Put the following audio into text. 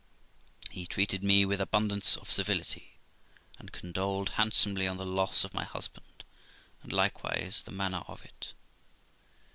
He treated me with abundance of civility, and condoled handsomely on the loss of my husband, and likewise the manner of it.